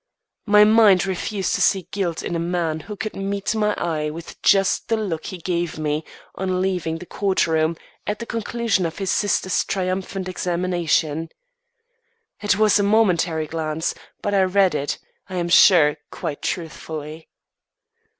My mind refused to see guilt in a man who could meet my eye with just the look he gave me on leaving the courtroom, at the conclusion of his sister's triumphant examination. It was a momentary glance, but I read it, I am sure, quite truthfully.